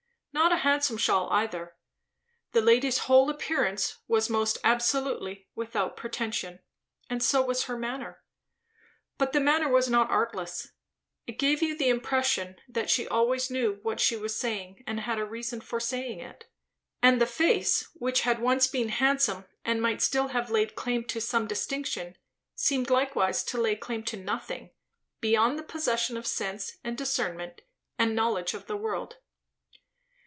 Not a handsome shawl either; the lady's whole appearance was most absolutely without pretension, and so was her manner. But the manner was not artless; it gave you the impression that she always knew what she was saying and had a reason for saying it. And the face, which had once been handsome, and might still have laid claim to some distinction, seemed likewise to lay claim to nothing, beyond the possession of sense and discernment and knowledge of the world.